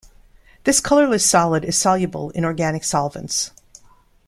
This colorless solid is soluble in organic solvents.